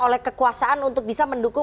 oleh kekuasaan untuk bisa mendukung